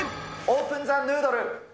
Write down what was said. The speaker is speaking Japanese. オープン・ザ・ヌードル。